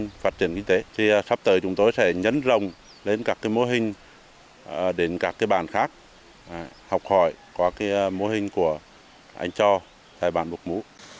ngoài ra thì mỗi đồng chí là phải có một mô hình phát triển kinh tế thì sắp tới chúng tôi sẽ nhấn rồng lên các mô hình đến các bàn khác học hỏi có mô hình của anh cho tại bàn bục mũ